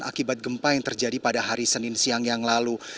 akibat gempa yang terjadi pada hari senin siang yang lalu